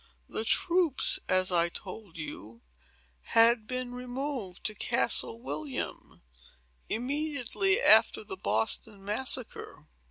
The troops, as I told you, had been removed to Castle William, immediately after the Boston Massacre.